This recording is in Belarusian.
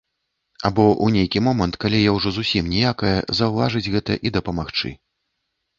Або ў нейкі момант, калі я ўжо зусім ніякая, заўважыць гэта і дапамагчы.